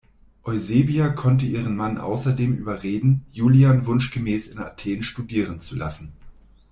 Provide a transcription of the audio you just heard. Eusebia konnte ihren Mann außerdem überreden, Julian wunschgemäß in Athen studieren zu lassen.